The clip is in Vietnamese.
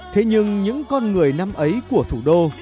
thế nhưng những con người năm ấy của thủ đô